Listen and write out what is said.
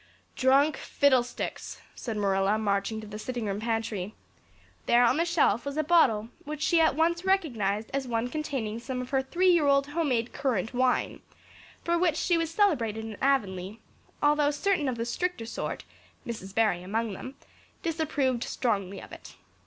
"Drunk fiddlesticks!" said Marilla, marching to the sitting room pantry. There on the shelf was a bottle which she at once recognized as one containing some of her three year old homemade currant wine for which she was celebrated in Avonlea, although certain of the stricter sort, Mrs. Barry among them, disapproved strongly of it.